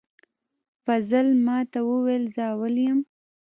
فضل ماته وویل زه اول یم